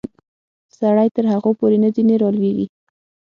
سړی تر هغو پورې نه ځینې رالویږي.